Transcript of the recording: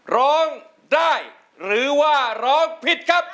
ร้องได้หรือว่าร้องผิดครับ